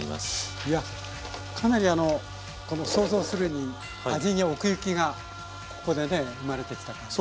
いやかなりあのこの想像するに味に奥行きがここでね生まれてきた感じが。